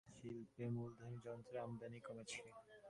শিল্পে মূলধনি যন্ত্রের আমদানি কমেছে।